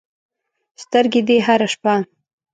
سترګې دې هره شپه